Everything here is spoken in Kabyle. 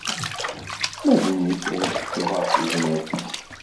Ma d nekk, ad cnuɣ ɣef tezmert-ik.